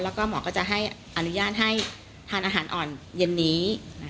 แล้วก็หมอก็จะให้อนุญาตให้ทานอาหารอ่อนเย็นนี้